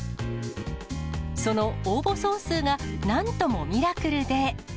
その応募総数がなんともミラクルで。